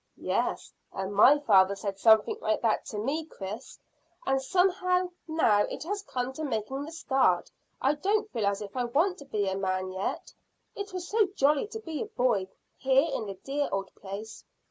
"Yes, and my father said something like that to me, Chris; and somehow now it has come to making the start I don't feel as if I want to be a man yet. It was so jolly to be a boy here in the dear old place.